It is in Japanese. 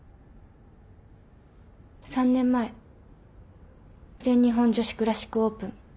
３年前全日本女子クラシックオープン。